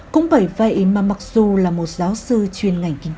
cũng bởi vậy mà mặc dù là một giáo sư chuyên ngành kinh tế